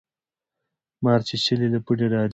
ـ مارچيچلى له پړي ډاريږي.